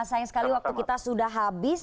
sayang sekali waktu kita sudah habis